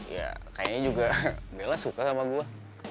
ya kayaknya juga bella suka sama gue